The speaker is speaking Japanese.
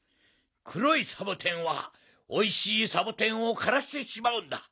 くろいサボテンはおいしいサボテンをからしてしまうんだ。